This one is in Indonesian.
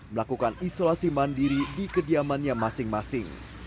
melakukan isolasi mandiri di kediamannya masing masing